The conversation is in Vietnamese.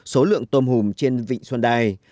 số lượng tôm hùm trên vịnh xuân đài